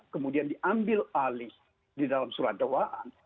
kemudian diambil alih di dalam surat dakwaan